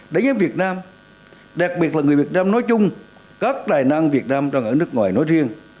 đánh giá việt nam đặc biệt là người việt nam nói chung các tài năng việt nam đang ở nước ngoài nói riêng